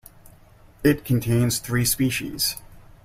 It contains three species.